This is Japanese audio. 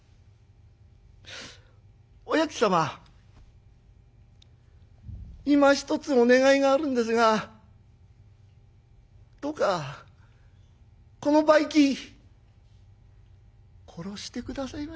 お薬師様今ひとつお願いがあるんですがどうかこの梅喜殺して下さいまし。